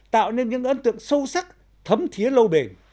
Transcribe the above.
tạo nên những ấn tượng sâu sắc thấm thiế lâu bền